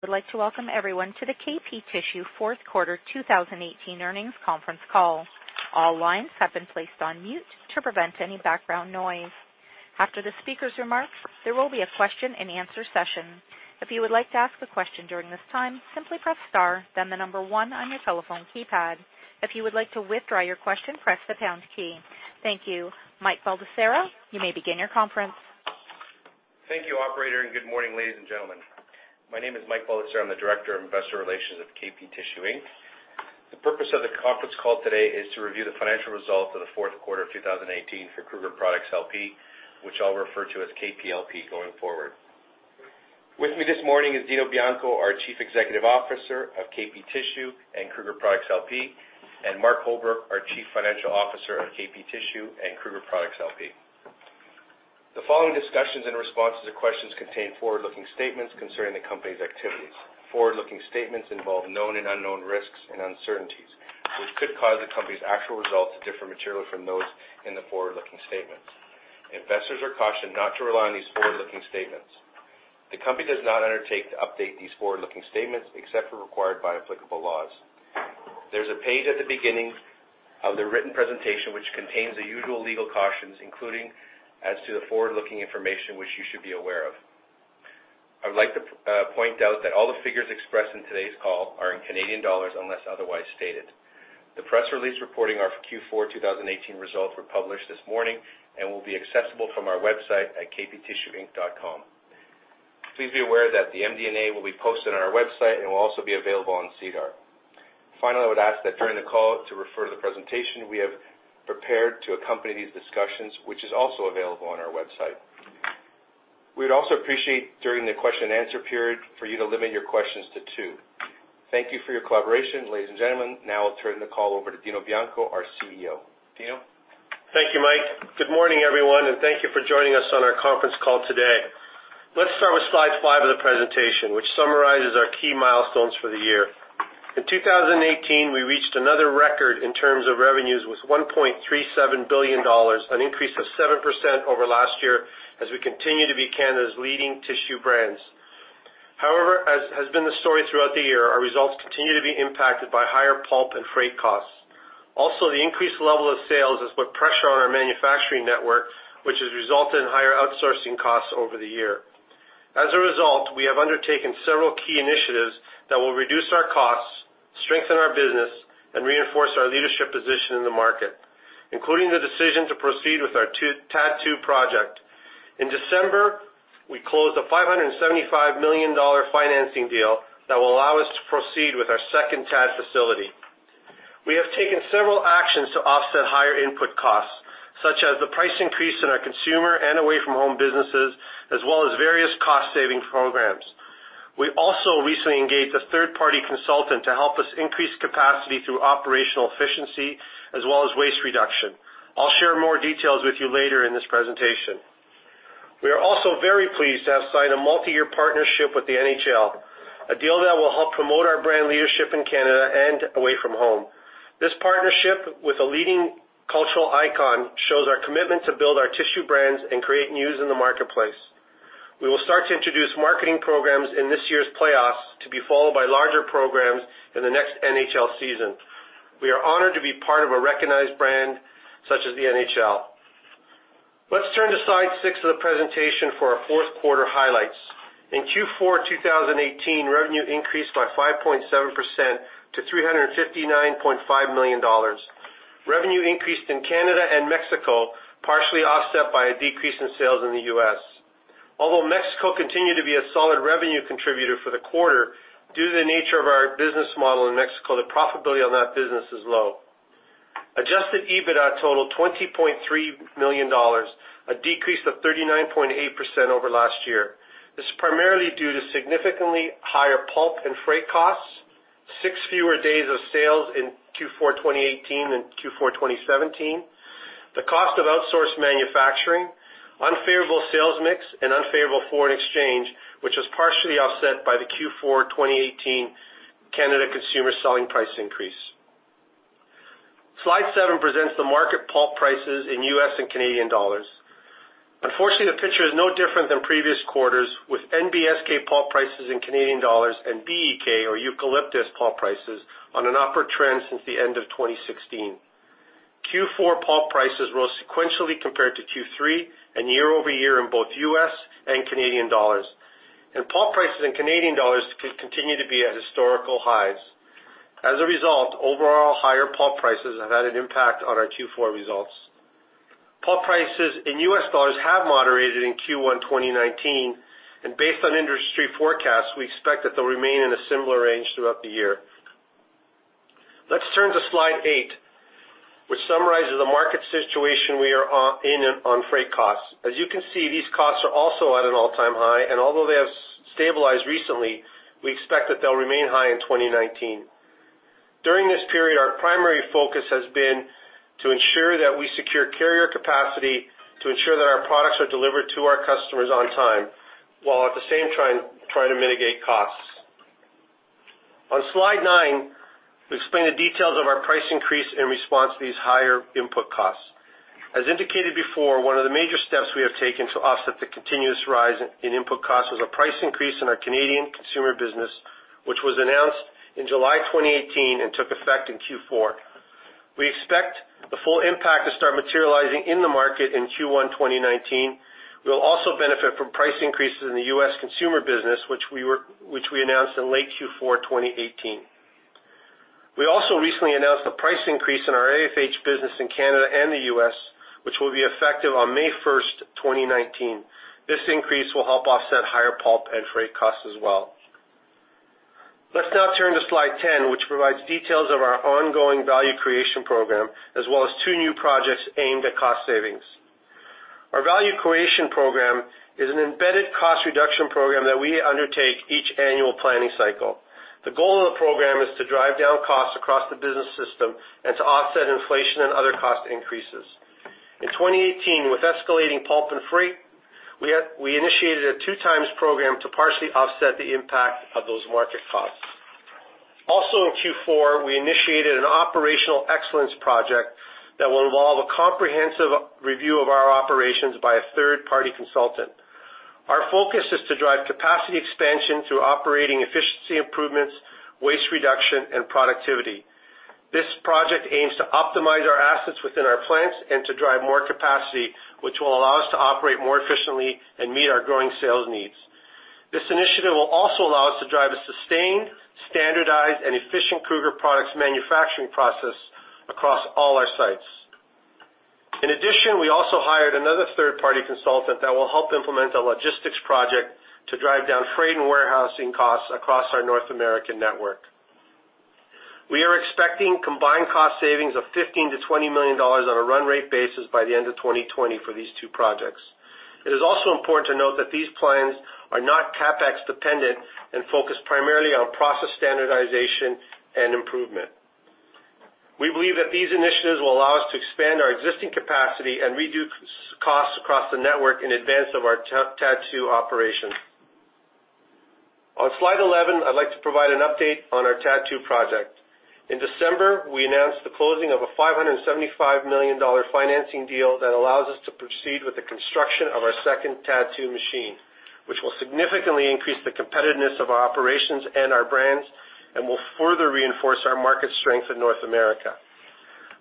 I would like to welcome everyone to the KP Tissue Fourth Quarter 2018 Earnings Conference Call. All lines have been placed on mute to prevent any background noise. After the speaker's remarks, there will be a question and answer session. If you would like to ask a question during this time, simply press star, then the number one on your telephone keypad. If you would like to withdraw your question, press the pound key. Thank you. Mike Baldesarra, you may begin your conference. Thank you, Operator, and good morning, ladies and gentlemen. My name is Mike Baldesarra. I'm the Director of Investor Relations at KP Tissue Inc. The purpose of the conference call today is to review the financial results of the fourth quarter of 2018 for Kruger Products LP, which I'll refer to as KPLP going forward. With me this morning is Dino Bianco, our Chief Executive Officer of KP Tissue and Kruger Products LP, and Mark Holbrook, our Chief Financial Officer of KP Tissue and Kruger Products LP. The following discussions and responses to questions contain forward-looking statements concerning the company's activities. Forward-looking statements involve known and unknown risks and uncertainties, which could cause the company's actual results to differ materially from those in the forward-looking statements. Investors are cautioned not to rely on these forward-looking statements. The company does not undertake to update these forward-looking statements except as required by applicable laws. There's a page at the beginning of the written presentation which contains the usual legal cautions, including as to the forward-looking information, which you should be aware of. I would like to point out that all the figures expressed in today's call are in Canadian dollars unless otherwise stated. The press release reporting our Q4 2018 results were published this morning and will be accessible from our website at kptissueinc.com. Please be aware that the MD&A will be posted on our website and will also be available on SEDAR. Finally, I would ask that during the call, to refer to the presentation we have prepared to accompany these discussions, which is also available on our website. We would also appreciate, during the question and answer period, for you to limit your questions to two. Thank you for your collaboration, ladies and gentlemen. Now I'll turn the call over to Dino Bianco, our CEO. Dino? Thank you, Mike. Good morning, everyone, and thank you for joining us on our conference call today. Let's start with slide 5 of the presentation, which summarizes our key milestones for the year. In 2018, we reached another record in terms of revenues with $1.37 billion, an increase of 7% over last year as we continue to be Canada's leading tissue brands. However, as has been the story throughout the year, our results continue to be impacted by higher pulp and freight costs. Also, the increased level of sales has put pressure on our manufacturing network, which has resulted in higher outsourcing costs over the year. As a result, we have undertaken several key initiatives that will reduce our costs, strengthen our business, and reinforce our leadership position in the market, including the decision to proceed with our TAD2 project. In December, we closed a $575 million financing deal that will allow us to proceed with our second TAD facility. We have taken several actions to offset higher input costs, such as the price increase in our consumer and Away-from-Home businesses, as well as various cost-saving programs. We also recently engaged a third-party consultant to help us increase capacity through operational efficiency, as well as waste reduction. I'll share more details with you later in this presentation. We are also very pleased to have signed a multi-year partnership with the NHL, a deal that will help promote our brand leadership in Canada and Away-from-Home. This partnership with a leading cultural icon shows our commitment to build our tissue brands and create news in the marketplace. We will start to introduce marketing programs in this year's playoffs to be followed by larger programs in the next NHL season. We are honored to be part of a recognized brand such as the NHL. Let's turn to slide six of the presentation for our fourth quarter highlights. In Q4 2018, revenue increased by 5.7% to 359.5 million dollars. Revenue increased in Canada and Mexico, partially offset by a decrease in sales in the US. Although Mexico continued to be a solid revenue contributor for the quarter, due to the nature of our business model in Mexico, the profitability on that business is low. Adjusted EBITDA totaled 20.3 million dollars, a decrease of 39.8% over last year. This is primarily due to significantly higher pulp and freight costs, six fewer days of sales in Q4 2018 than Q4 2017, the cost of outsourced manufacturing, unfavorable sales mix, and unfavorable foreign exchange, which was partially offset by the Q4 2018 Canada consumer selling price increase. Slide seven presents the market pulp prices in U.S. and Canadian dollars. Unfortunately, the picture is no different than previous quarters, with NBSK pulp prices in Canadian dollars and BEK, or eucalyptus, pulp prices on an upward trend since the end of 2016. Q4 pulp prices rose sequentially compared to Q3 and year-over-year in both U.S. and Canadian dollars, and pulp prices in Canadian dollars continue to be at historical highs. As a result, overall higher pulp prices have had an impact on our Q4 results. Pulp prices in U.S. dollars have moderated in Q1 2019, and based on industry forecasts, we expect that they'll remain in a similar range throughout the year. Let's turn to slide eight, which summarizes the market situation we are in on freight costs. As you can see, these costs are also at an all-time high, and although they have stabilized recently, we expect that they'll remain high in 2019. During this period, our primary focus has been to ensure that we secure carrier capacity to ensure that our products are delivered to our customers on time, while at the same time trying to mitigate costs. On slide 9, we explain the details of our price increase in response to these higher input costs. As indicated before, one of the major steps we have taken to offset the continuous rise in input costs was a price increase in our Canadian consumer business, which was announced in July 2018 and took effect in Q4. We expect the full impact to start materializing in the market in Q1 2019. We will also benefit from price increases in the U.S. consumer business, which we announced in late Q4 2018. We also recently announced the price increase in our AFH business in Canada and the U.S., which will be effective on May 1st, 2019. This increase will help offset higher pulp and freight costs as well. Let's now turn to slide 10, which provides details of our ongoing value creation program, as well as two new projects aimed at cost savings. Our value creation program is an embedded cost reduction program that we undertake each annual planning cycle. The goal of the program is to drive down costs across the business system and to offset inflation and other cost increases. In 2018, with escalating pulp and freight, we initiated a 2-times program to partially offset the impact of those market costs. Also, in Q4, we initiated an operational excellence project that will involve a comprehensive review of our operations by a third-party consultant. Our focus is to drive capacity expansion through operating efficiency improvements, waste reduction, and productivity. This project aims to optimize our assets within our plants and to drive more capacity, which will allow us to operate more efficiently and meet our growing sales needs. This initiative will also allow us to drive a sustained, standardized, and efficient Kruger Products manufacturing process across all our sites. In addition, we also hired another third-party consultant that will help implement a logistics project to drive down freight and warehousing costs across our North American network. We are expecting combined cost savings of $15-$20 million on a run rate basis by the end of 2020 for these two projects. It is also important to note that these plans are not CapEx dependent and focus primarily on process standardization and improvement. We believe that these initiatives will allow us to expand our existing capacity and reduce costs across the network in advance of our TAD2 operation. On slide 11, I'd like to provide an update on our TAD2 project. In December, we announced the closing of a $575 million financing deal that allows us to proceed with the construction of our second TAD2 machine, which will significantly increase the competitiveness of our operations and our brands and will further reinforce our market strength in North America.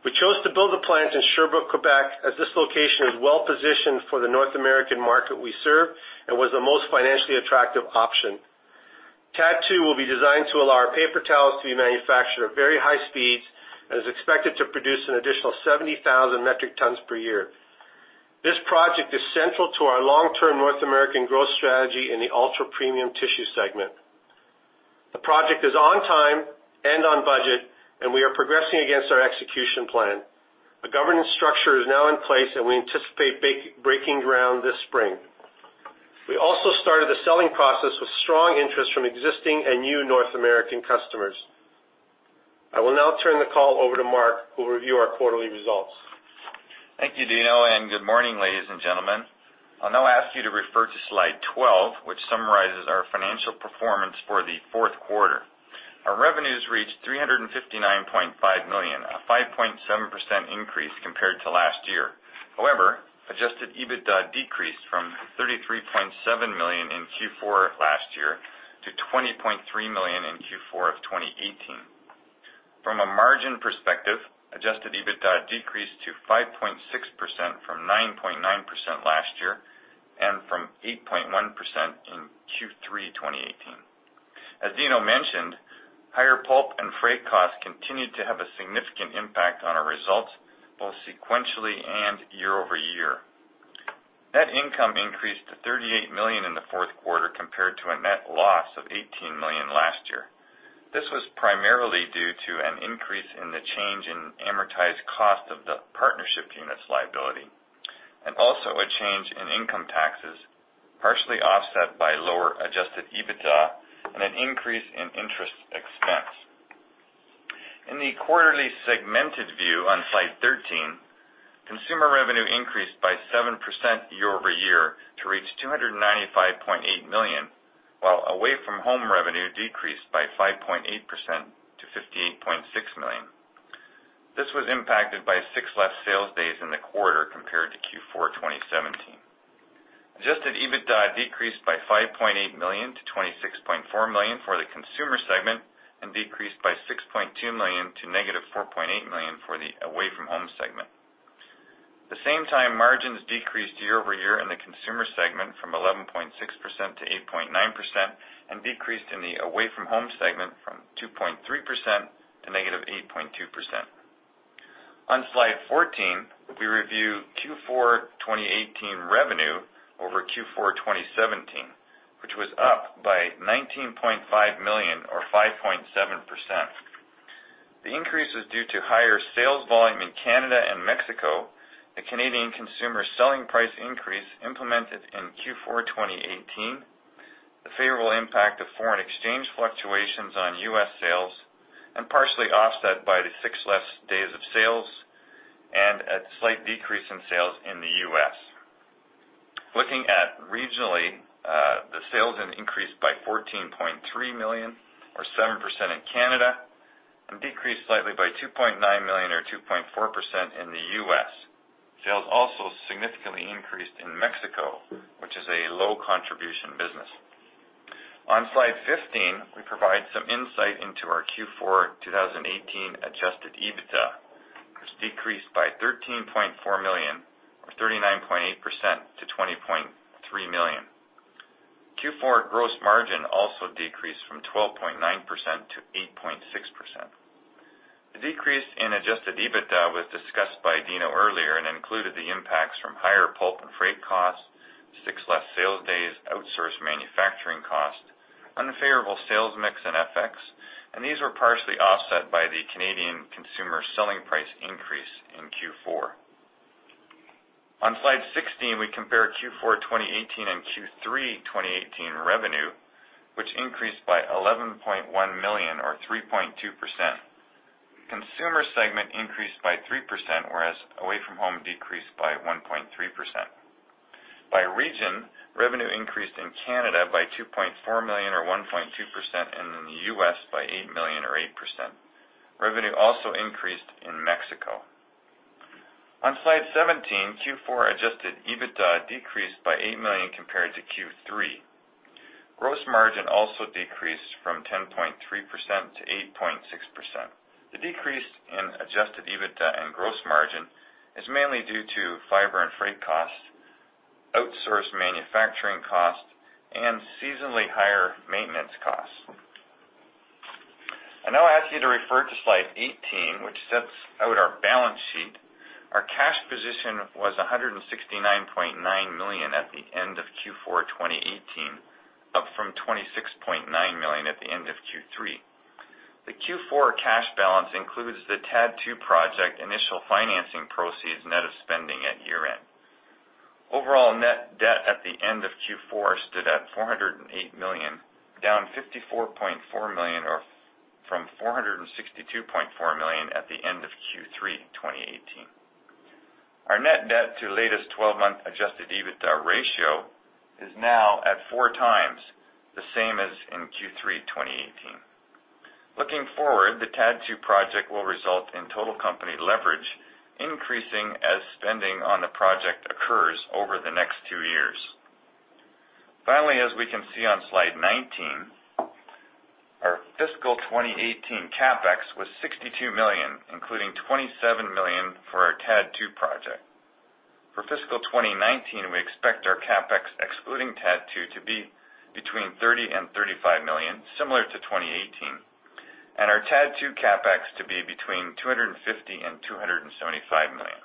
We chose to build the plants in Sherbrooke, Quebec, as this location is well positioned for the North American market we serve and was the most financially attractive option. TAD2 will be designed to allow our paper towels to be manufactured at very high speeds and is expected to produce an additional 70,000 metric tons per year. This project is central to our long-term North American growth strategy in the ultra-premium tissue segment. The project is on time and on budget, and we are progressing against our execution plan. A governance structure is now in place, and we anticipate breaking ground this spring. We also started the selling process with strong interest from existing and new North American customers. I will now turn the call over to Mark, who will review our quarterly results. Thank you, Dino, and good morning, ladies and gentlemen. I'll now ask you to refer to slide 12, which summarizes our financial performance for the fourth quarter. Our revenues reached 359.5 million, a 5.7% increase compared to last year. However, Adjusted EBITDA decreased from 33.7 million in Q4 last year to 20.3 million in Q4 of 2018. From a margin perspective, Adjusted EBITDA decreased to 5.6% from 9.9% last year and from 8.1% in Q3 2018. As Dino mentioned, higher pulp and freight costs continued to have a significant impact on our results, both sequentially and year-over-year. Net income increased to 38 million in the fourth quarter compared to a net loss of 18 million last year. This was primarily due to an increase in the change in amortized cost of the partnership unit's liability, and also a change in income taxes, partially offset by lower Adjusted EBITDA and an increase in interest expense. In the quarterly segmented view on slide 13, consumer revenue increased by 7% year-over-year to reach $295.8 million, while Away-from-Home revenue decreased by 5.8% to $58.6 million. This was impacted by six less sales days in the quarter compared to Q4 2017. Adjusted EBITDA decreased by $5.8 million to $26.4 million for the consumer segment and decreased by $6.2 million to -$4.8 million for the Away-from-Home segment. At the same time, margins decreased year-over-year in the consumer segment from 11.6% to 8.9% and decreased in the Away-from-Home segment from 2.3% to -8.2%. On slide 14, we review Q4 2018 revenue over Q4 2017, which was up by 19.5 million, or 5.7%. The increase was due to higher sales volume in Canada and Mexico, the Canadian consumer selling price increase implemented in Q4 2018, the favorable impact of foreign exchange fluctuations on U.S. sales, and partially offset by the six less days of sales and a slight decrease in sales in the U.S. Looking at regionally, the sales increased by 14.3 million, or 7% in Canada, and decreased slightly by 2.9 million, or 2.4% in the U.S. Sales also significantly increased in Mexico, which is a low-contribution business. On slide 15, we provide some insight into our Q4 2018 Adjusted EBITDA, which decreased by 13.4 million, or 39.8%, to 20.3 million. Q4 gross margin also decreased from 12.9% to 8.6%. The decrease in Adjusted EBITDA was discussed by Dino earlier and included the impacts from higher pulp and freight costs, six less sales days, outsourced manufacturing costs, unfavorable sales mix and FX, and these were partially offset by the Canadian consumer selling price increase in Q4. On slide 16, we compare Q4 2018 and Q3 2018 revenue, which increased by $11.1 million, or 3.2%. Consumer segment increased by 3%, whereas Away-from-Home decreased by 1.3%. By region, revenue increased in Canada by $2.4 million, or 1.2%, and in the U.S. by $8 million, or 8%. Revenue also increased in Mexico. On slide 17, Q4 Adjusted EBITDA decreased by $8 million compared to Q3. Gross margin also decreased from 10.3% to 8.6%. The decrease in Adjusted EBITDA and gross margin is mainly due to fiber and freight costs, outsourced manufacturing costs, and seasonally higher maintenance costs. I now ask you to refer to slide 18, which sets out our balance sheet. Our cash position was 169.9 million at the end of Q4 2018, up from 26.9 million at the end of Q3. The Q4 cash balance includes the TAD2 project initial financing proceeds net of spending at year-end. Overall net debt at the end of Q4 stood at 408 million, down 54.4 million from 462.4 million at the end of Q3 2018. Our net debt to latest 12-month adjusted EBITDA ratio is now at four times, the same as in Q3 2018. Looking forward, the TAD2 project will result in total company leverage increasing as spending on the project occurs over the next two years. Finally, as we can see on slide 19, our fiscal 2018 CapEx was 62 million, including 27 million for our TAD2 project. For fiscal 2019, we expect our CapEx, excluding TAD2, to be between 30- 35 million, similar to 2018, and our TAD2 CapEx to be between 250-275 million.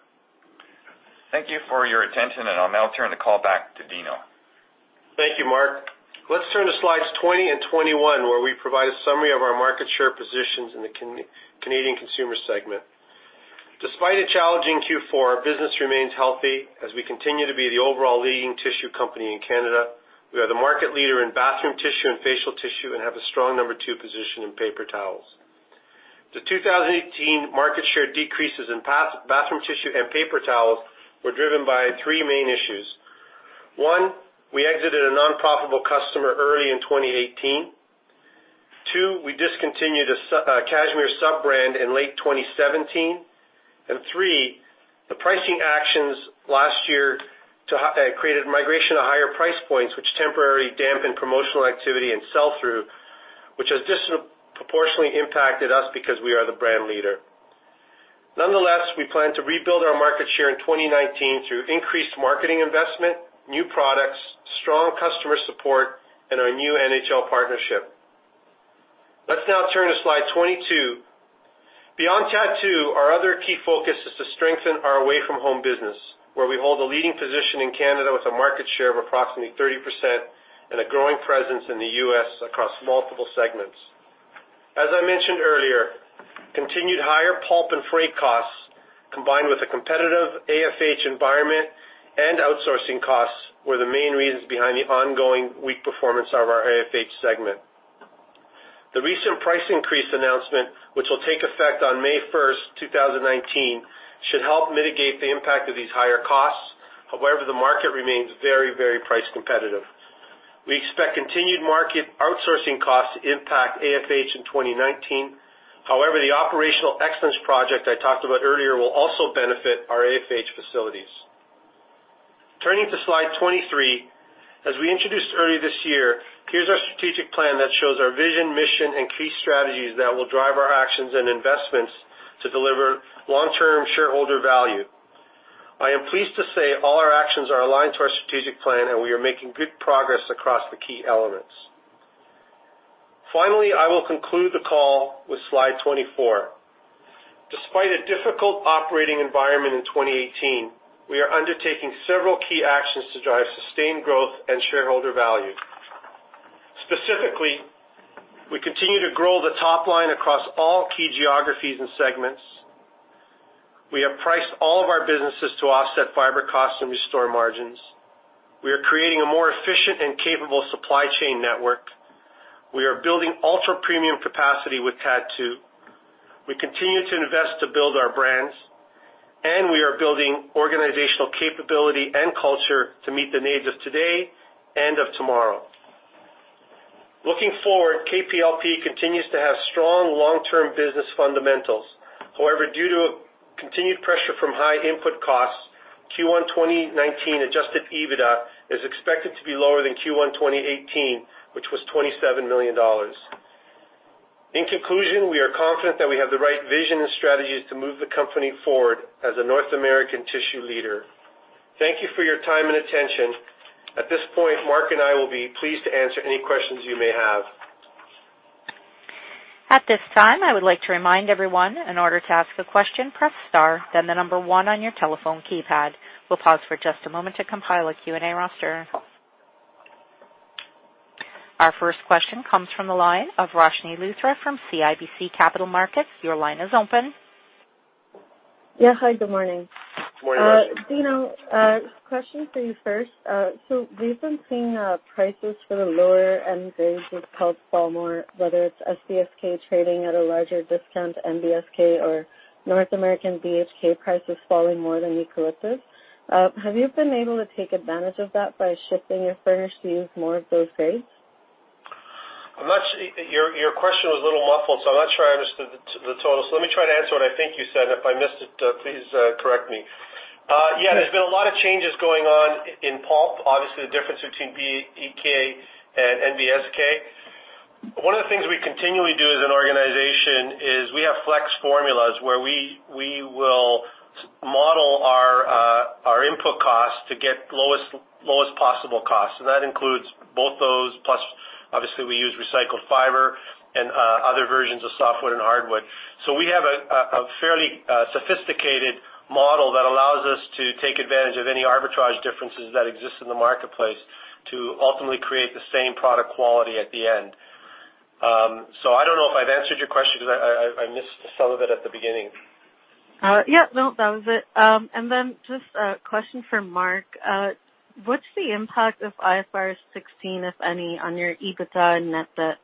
Thank you for your attention, and I'll now turn the call back to Dino. Thank you, Mark. Let's turn to slides 20 and 21, where we provide a summary of our market share positions in the Canadian consumer segment. Despite a challenging Q4, our business remains healthy. As we continue to be the overall leading tissue company in Canada, we are the market leader in bathroom tissue and facial tissue and have a strong number two position in paper towels. The 2018 market share decreases in bathroom tissue and paper towels were driven by three main issues. One, we exited a nonprofitable customer early in 2018. Two, we discontinued a Cashmere sub-brand in late 2017. And three, the pricing actions last year created migration of higher price points, which temporarily dampened promotional activity and sell-through, which has disproportionately impacted us because we are the brand leader. Nonetheless, we plan to rebuild our market share in 2019 through increased marketing investment, new products, strong customer support, and our new NHL partnership. Let's now turn to slide 22. Beyond TAD2, our other key focus is to strengthen our Away-from-Home business, where we hold a leading position in Canada with a market share of approximately 30% and a growing presence in the US across multiple segments. As I mentioned earlier, continued higher pulp and freight costs, combined with a competitive AFH environment and outsourcing costs, were the main reasons behind the ongoing weak performance of our AFH segment. The recent price increase announcement, which will take effect on May 1st, 2019, should help mitigate the impact of these higher costs. However, the market remains very, very price competitive. We expect continued market outsourcing costs to impact AFH in 2019. However, the operational excellence project I talked about earlier will also benefit our AFH facilities. Turning to slide 23, as we introduced earlier this year, here's our strategic plan that shows our vision, mission, and key strategies that will drive our actions and investments to deliver long-term shareholder value. I am pleased to say all our actions are aligned to our strategic plan, and we are making good progress across the key elements. Finally, I will conclude the call with slide 24. Despite a difficult operating environment in 2018, we are undertaking several key actions to drive sustained growth and shareholder value. Specifically, we continue to grow the top line across all key geographies and segments. We have priced all of our businesses to offset fiber costs and restore margins. We are creating a more efficient and capable supply chain network. We are building ultra-premium capacity with TAD2. We continue to invest to build our brands, and we are building organizational capability and culture to meet the needs of today and of tomorrow. Looking forward, KPLP continues to have strong long-term business fundamentals. However, due to continued pressure from high input costs, Q1 2019 Adjusted EBITDA is expected to be lower than Q1 2018, which was 27 million dollars. In conclusion, we are confident that we have the right vision and strategies to move the company forward as a North American tissue leader. Thank you for your time and attention. At this point, Mark and I will be pleased to answer any questions you may have. At this time, I would like to remind everyone, in order to ask a question, press star, then the number one on your telephone keypad. We'll pause for just a moment to compile a Q&A roster. Our first question comes from the line of Roshni Luthra from CIBC Capital Markets. Your line is open. Yeah, hi, good morning. Good morning, Roshni. Dino, question for you first. So we've been seeing prices for the lower end grades of pulp, and more, whether it's SBSK trading at a larger discount, NBSK, or North American BHK, prices falling more than eucalyptus. Have you been able to take advantage of that by shifting your furnish to use more of those grades? Your question was a little muffled, so I'm not sure I understood the total. So let me try to answer what I think you said, and if I missed it, please correct me. Yeah, there's been a lot of changes going on in pulp, obviously the difference between BEK and NBSK. One of the things we continually do as an organization is we have flex formulas where we will model our input costs to get lowest possible costs. And that includes both those, plus obviously we use recycled fiber and other versions of softwood and hardwood. So we have a fairly sophisticated model that allows us to take advantage of any arbitrage differences that exist in the marketplace to ultimately create the same product quality at the end. So I don't know if I've answered your question because I missed some of it at the beginning. Yeah, no, that was it. And then just a question for Mark. What's the impact of IFRS 16, if any, on your EBITDA and net debt?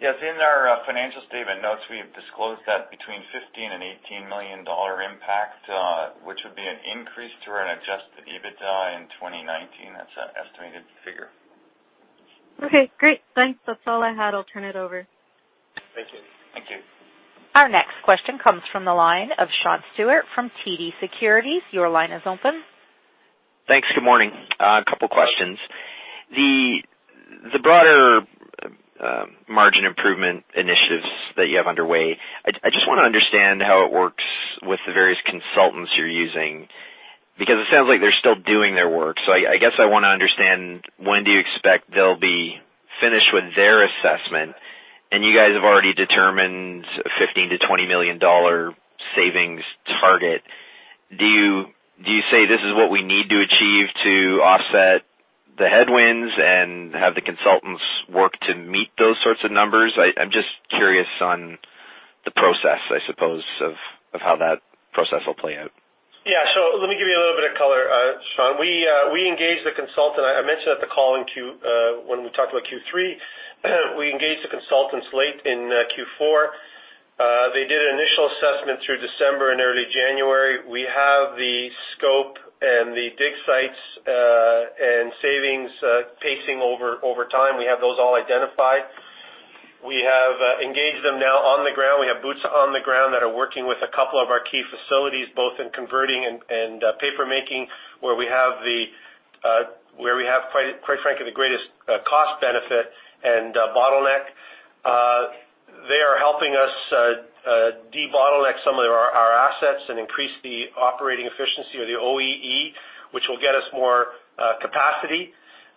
Yes, in our financial statement notes, we have disclosed that between 15 million and 18 million dollar impact, which would be an increase to our Adjusted EBITDA in 2019. That's an estimated figure. Okay, great. Thanks. That's all I had. I'll turn it over. Thank you. Thank you. Our next question comes from the line of Sean Steuart from TD Securities. Your line is open. Thanks, good morning. A couple of questions. The broader margin improvement initiatives that you have underway, I just want to understand how it works with the various consultants you're using, because it sounds like they're still doing their work. So I guess I want to understand when do you expect they'll be finished with their assessment, and you guys have already determined a 15 million-20 million dollar savings target. Do you say, "This is what we need to achieve to offset the headwinds and have the consultants work to meet those sorts of numbers?" I'm just curious on the process, I suppose, of how that process will play out. Yeah, so let me give you a little bit of color, Sean. We engage the consultant. I mentioned at the call when we talked about Q3, we engage the consultants late in Q4. They did an initial assessment through December and early January. We have the scope and the dig sites and savings pacing over time. We have those all identified. We have engaged them now on the ground. We have boots on the ground that are working with a couple of our key facilities, both in converting and papermaking, where we have, quite frankly, the greatest cost benefit and bottleneck. They are helping us de-bottleneck some of our assets and increase the operating efficiency, or the OEE, which will get us more capacity.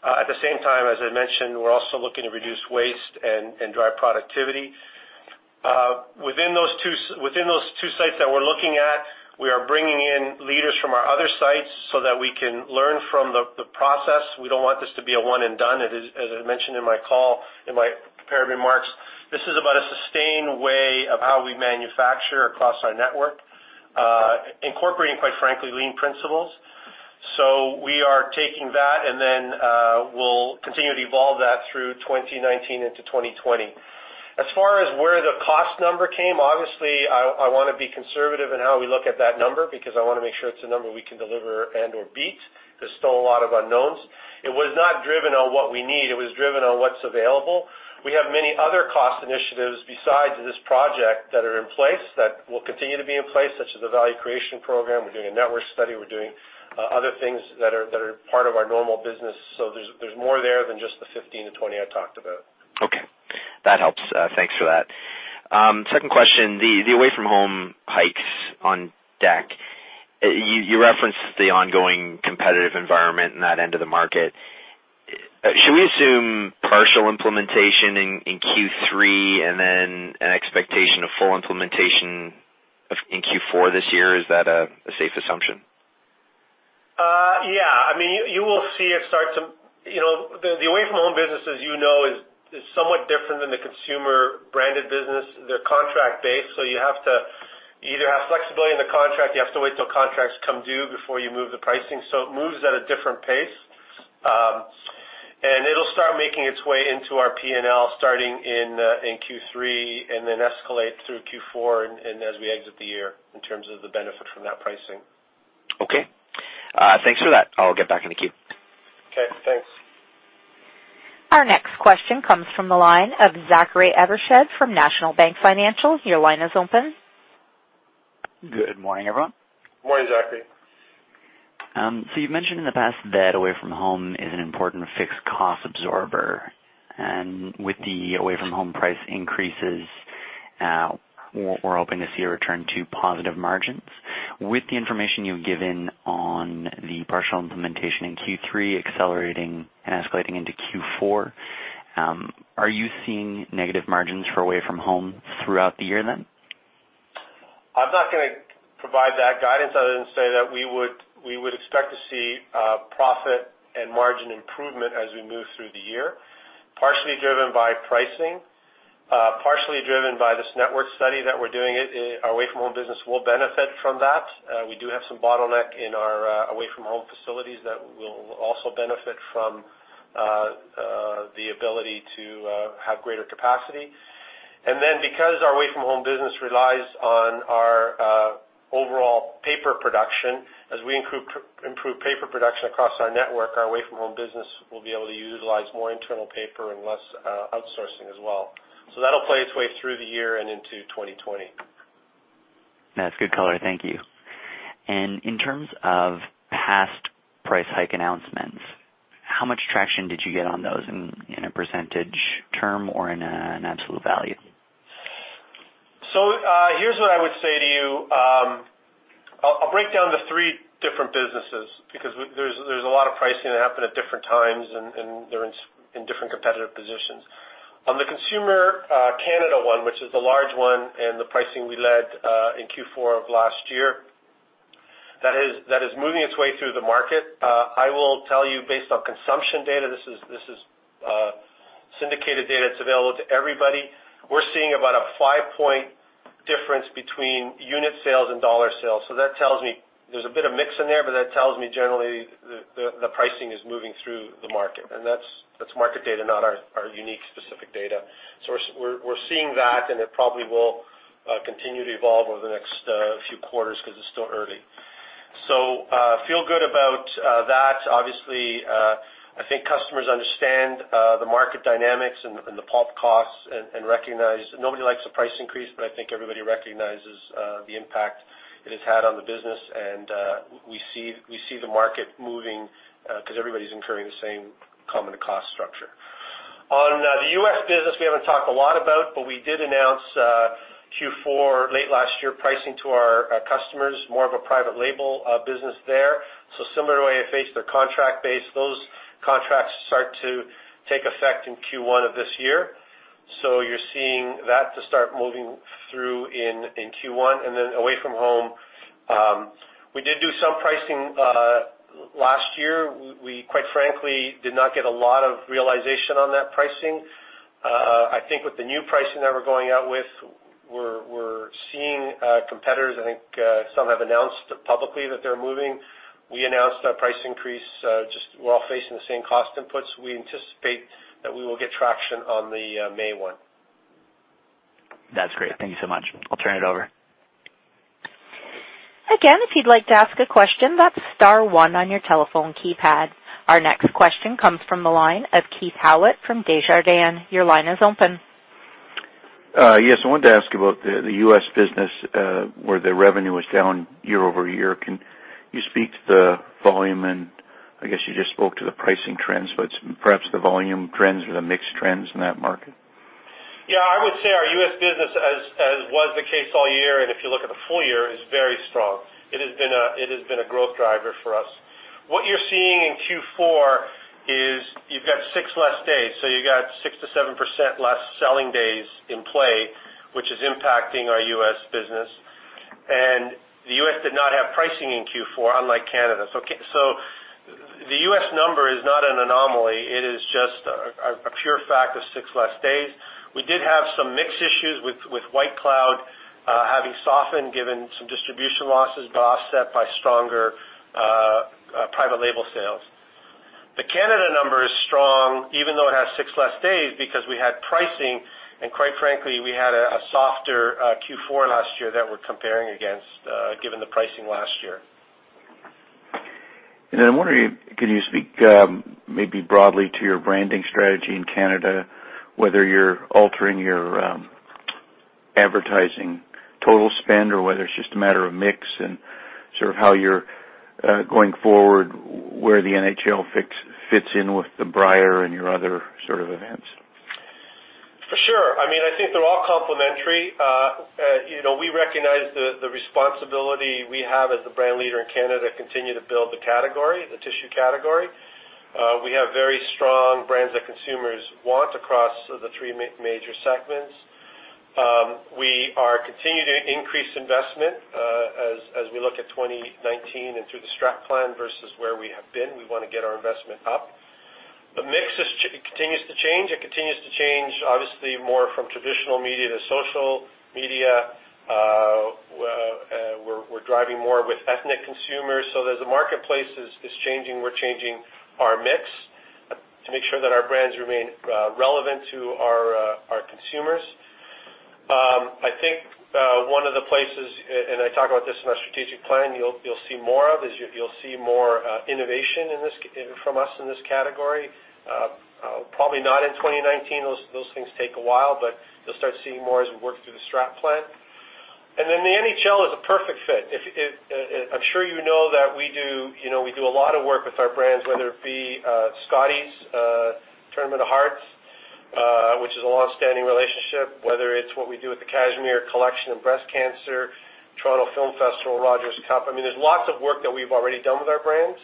At the same time, as I mentioned, we're also looking to reduce waste and drive productivity. Within those two sites that we're looking at, we are bringing in leaders from our other sites so that we can learn from the process. We don't want this to be a one-and-done. As I mentioned in my call, in my prepared remarks, this is about a sustained way of how we manufacture across our network, incorporating, quite frankly, lean principles. So we are taking that, and then we'll continue to evolve that through 2019 into 2020. As far as where the cost number came, obviously, I want to be conservative in how we look at that number because I want to make sure it's a number we can deliver and/or beat. There's still a lot of unknowns. It was not driven on what we need. It was driven on what's available. We have many other cost initiatives besides this project that are in place that will continue to be in place, such as the value creation program. We're doing a network study. We're doing other things that are part of our normal business. So there's more there than just the 15-20 I talked about. Okay. That helps. Thanks for that. Second question, the Away-from-Home hikes on deck. You referenced the ongoing competitive environment in that end of the market. Should we assume partial implementation in Q3 and then an expectation of full implementation in Q4 this year? Is that a safe assumption? Yeah. I mean, you will see it start to the Away-from-Home business, as you know, is somewhat different than the consumer branded business. They're contract-based, so you have to either have flexibility in the contract. You have to wait till contracts come due before you move the pricing. So it moves at a different pace. And it'll start making its way into our P&L starting in Q3 and then escalate through Q4 and as we exit the year in terms of the benefit from that pricing. Okay. Thanks for that. I'll get back in the queue. Okay, thanks. Our next question comes from the line of Zachary Evershed from National Bank Financial. Your line is open. Good morning, everyone. Good morning, Zachary. You've mentioned in the past that Away-from-Home is an important fixed cost absorber. With the Away-from-Home price increases, we're hoping to see a return to positive margins. With the information you've given on the partial implementation in Q3 accelerating and escalating into Q4, are you seeing negative margins for Away-from-Home throughout the year then? I'm not going to provide that guidance other than say that we would expect to see profit and margin improvement as we move through the year, partially driven by pricing, partially driven by this network study that we're doing. Our Away-from-Home business will benefit from that. We do have some bottleneck in our Away-from-Home facilities that will also benefit from the ability to have greater capacity. Then because our Away-from-Home business relies on our overall paper production, as we improve paper production across our network, our Away-from-Home business will be able to utilize more internal paper and less outsourcing as well. That'll play its way through the year and into 2020. That's good color. Thank you. In terms of past price hike announcements, how much traction did you get on those in a percentage term or in an absolute value? So here's what I would say to you. I'll break down the three different businesses because there's a lot of pricing that happened at different times, and they're in different competitive positions. On the consumer Canada one, which is the large one and the pricing we led in Q4 of last year, that is moving its way through the market. I will tell you, based on consumption data, this is syndicated data. It's available to everybody. We're seeing about a 5-point difference between unit sales and dollar sales. So that tells me there's a bit of mix in there, but that tells me generally the pricing is moving through the market. And that's market data, not our unique specific data. So we're seeing that, and it probably will continue to evolve over the next few quarters because it's still early. So feel good about that. Obviously, I think customers understand the market dynamics and the pulp costs and recognize nobody likes a price increase, but I think everybody recognizes the impact it has had on the business. We see the market moving because everybody's incurring the same common cost structure. On the U.S. business, we haven't talked a lot about, but we did announce Q4 late last year pricing to our customers, more of a private label business there. So similar to AFH, they're contract-based. Those contracts start to take effect in Q1 of this year. So you're seeing that to start moving through in Q1. Away-from-Home, we did do some pricing last year. We, quite frankly, did not get a lot of realization on that pricing. I think with the new pricing that we're going out with, we're seeing competitors. I think some have announced publicly that they're moving. We announced our price increase. We're all facing the same cost inputs. We anticipate that we will get traction on the May 1. That's great. Thank you so much. I'll turn it over. Again, if you'd like to ask a question, that's star one on your telephone keypad. Our next question comes from the line of Keith Howlett from Desjardins. Your line is open. Yes, I wanted to ask about the U.S. business where the revenue was down year-over-year. Can you speak to the volume? And I guess you just spoke to the pricing trends, but perhaps the volume trends or the mixed trends in that market? Yeah, I would say our U.S. business, as was the case all year, and if you look at the full year, is very strong. It has been a growth driver for us. What you're seeing in Q4 is you've got 6 less days. So you've got 6%-7% less selling days in play, which is impacting our U.S. business. And the U.S. did not have pricing in Q4, unlike Canada. So the U.S. number is not an anomaly. It is just a pure fact of 6 less days. We did have some mixed issues with White Cloud having softened given some distribution losses, but offset by stronger private label sales. The Canada number is strong, even though it has 6 less days, because we had pricing. And quite frankly, we had a softer Q4 last year that we're comparing against given the pricing last year. Then I'm wondering, could you speak maybe broadly to your branding strategy in Canada, whether you're altering your advertising total spend or whether it's just a matter of mix and sort of how you're going forward, where the NHL fits in with the Brier and your other sort of events? For sure. I mean, I think they're all complementary. We recognize the responsibility we have as the brand leader in Canada to continue to build the category, the tissue category. We have very strong brands that consumers want across the three major segments. We are continuing to increase investment as we look at 2019 and through the Strat plan versus where we have been. We want to get our investment up. The mix continues to change. It continues to change, obviously, more from traditional media to social media. We're driving more with ethnic consumers. So as the marketplace is changing, we're changing our mix to make sure that our brands remain relevant to our consumers. I think one of the places, and I talk about this in our strategic plan, you'll see more of is you'll see more innovation from us in this category. Probably not in 2019. Those things take a while, but you'll start seeing more as we work through the Strat plan. Then the NHL is a perfect fit. I'm sure you know that we do a lot of work with our brands, whether it be Scotties Tournament of Hearts, which is a long-standing relationship, whether it's what we do with the Cashmere and breast cancer, Toronto Film Festival, Rogers Cup. I mean, there's lots of work that we've already done with our brands.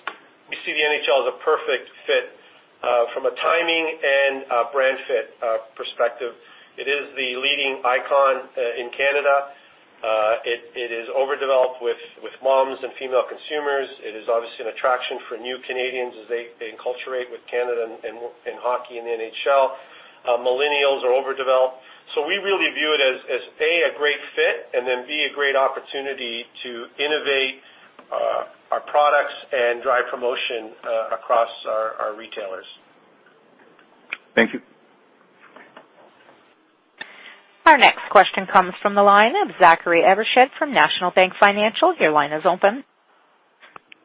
We see the NHL as a perfect fit from a timing and brand fit perspective. It is the leading icon in Canada. It is overdeveloped with moms and female consumers. It is obviously an attraction for new Canadians as they enculturate with Canada and hockey and the NHL. Millennials are overdeveloped. We really view it as, A, a great fit, and then, B, a great opportunity to innovate our products and drive promotion across our retailers. Thank you. Our next question comes from the line of Zachary Evershed from National Bank Financial. Your line is open.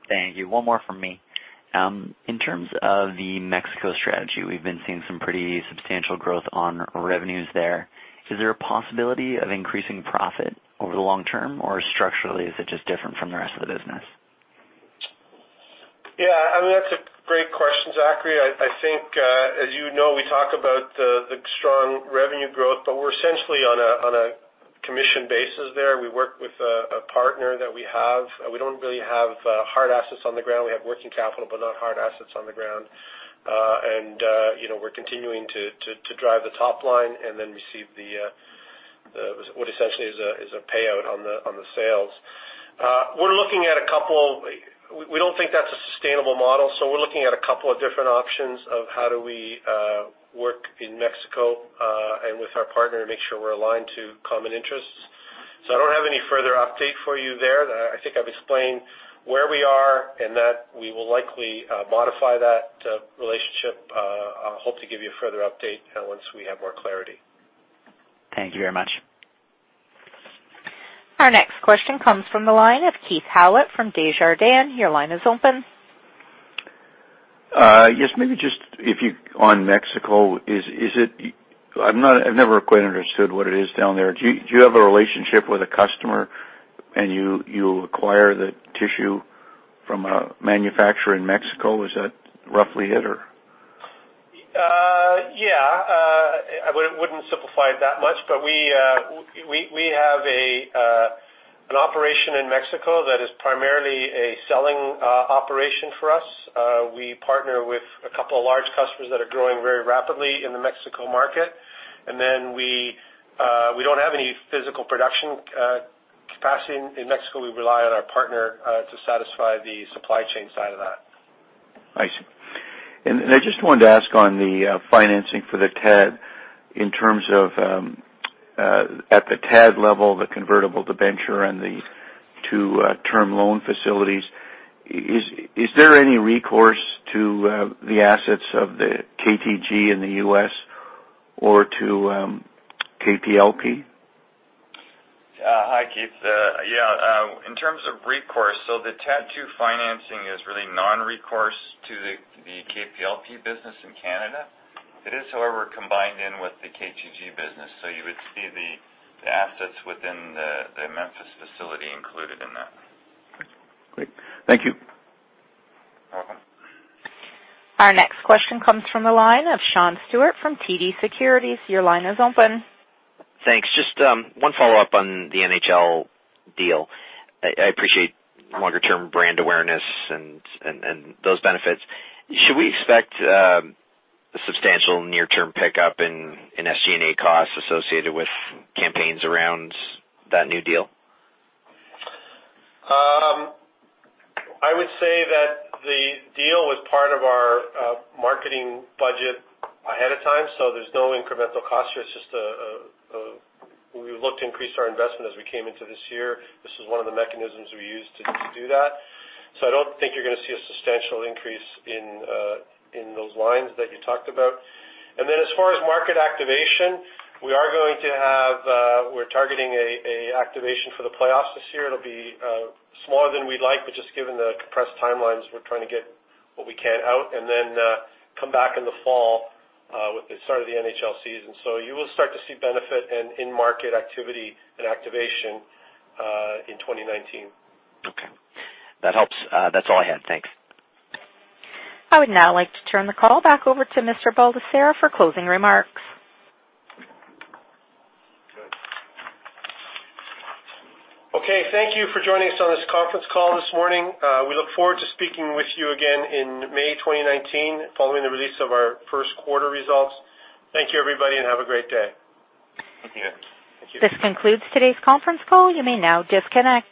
Thank you. One more from me. In terms of the Mexico strategy, we've been seeing some pretty substantial growth on revenues there. Is there a possibility of increasing profit over the long term, or structurally is it just different from the rest of the business? Yeah. I mean, that's a great question, Zachary. I think, as you know, we talk about the strong revenue growth, but we're essentially on a commission basis there. We work with a partner that we have. We don't really have hard assets on the ground. We have working capital, but not hard assets on the ground. And we're continuing to drive the top line and then receive what essentially is a payout on the sales. We're looking at a couple of. We don't think that's a sustainable model. So we're looking at a couple of different options of how do we work in Mexico and with our partner to make sure we're aligned to common interests. So I don't have any further update for you there. I think I've explained where we are and that we will likely modify that relationship. I hope to give you a further update once we have more clarity. Thank you very much. Our next question comes from the line of Keith Howlett from Desjardins. Your line is open. Yes. Maybe just if you, on Mexico, is it, I've never quite understood what it is down there. Do you have a relationship with a customer and you acquire the tissue from a manufacturer in Mexico? Is that roughly it, or? Yeah. I wouldn't simplify it that much, but we have an operation in Mexico that is primarily a selling operation for us. We partner with a couple of large customers that are growing very rapidly in the Mexico market. And then we don't have any physical production capacity in Mexico. We rely on our partner to satisfy the supply chain side of that. I see. And I just wanted to ask on the financing for the TAD in terms of at the TAD level, the convertible debenture and the two-term loan facilities. Is there any recourse to the assets of the KTG in the U.S. or to KPLP? Hi, Keith. Yeah. In terms of recourse, so the TAD2 financing is really non-recourse to the KPLP business in Canada. It is, however, combined in with the KTG business. So you would see the assets within the Memphis facility included in that. Great. Thank you. You're welcome. Our next question comes from the line of Sean Steuart from TD Securities. Your line is open. Thanks. Just one follow-up on the NHL deal. I appreciate longer-term brand awareness and those benefits. Should we expect a substantial near-term pickup in SG&A costs associated with campaigns around that new deal? I would say that the deal was part of our marketing budget ahead of time. So there's no incremental cost here. It's just we looked to increase our investment as we came into this year. This is one of the mechanisms we used to do that. So I don't think you're going to see a substantial increase in those lines that you talked about. And then as far as market activation, we are going to have, we're targeting an activation for the playoffs this year. It'll be smaller than we'd like, but just given the compressed timelines, we're trying to get what we can out and then come back in the fall with the start of the NHL season. So you will start to see benefit and in-market activity and activation in 2019. Okay. That helps. That's all I had. Thanks. I would now like to turn the call back over to Mr. Baldesarra for closing remarks. Okay. Thank you for joining us on this conference call this morning. We look forward to speaking with you again in May 2019 following the release of our first quarter results. Thank you, everybody, and have a great day. Thank you. Thank you. This concludes today's conference call. You may now disconnect.